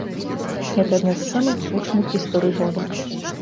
Гэта адна з самых гучных гісторый года.